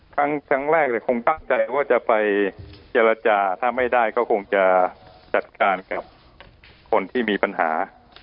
ครั้งแรกคงตั้งใจว่าจะไปเจรจาถ้าไม่ได้ก็คงจะจัดการกับคนที่มีปัญหา